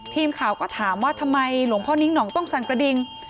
ทีมข่าวก็ถามว่าทำไมหลวงพ่อนิ้งห่องต้องสั่งกระดิ่ง